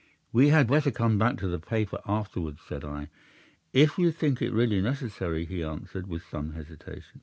"'We had better come back to the paper afterwards,' said I. "'If you think it really necessary,' he answered, with some hesitation.